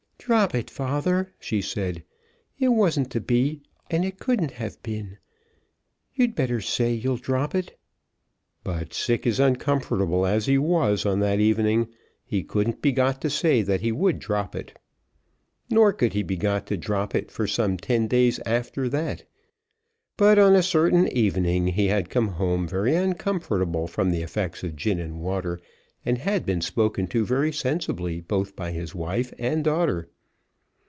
"Drop it, father," she said. "It wasn't to be, and it couldn't have been. You'd better say you'll drop it." But, sick and uncomfortable as he was on that evening, he couldn't be got to say that he would drop it. Nor could he be got to drop it for some ten days after that; but on a certain evening he had come home very uncomfortable from the effects of gin and water, and had been spoken to very sensibly both by his wife and daughter.